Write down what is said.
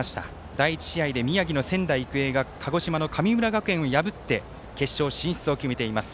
第１試合で宮城の仙台育英が鹿児島の神村学園を破って決勝進出を決めています。